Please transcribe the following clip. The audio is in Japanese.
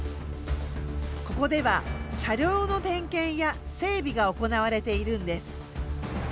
ここでは車両の点検や整備が行われているんです。